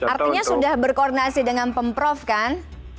artinya sudah berkoordinasi dengan pemprov kan